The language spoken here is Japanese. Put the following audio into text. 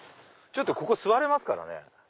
ここ座れますからね。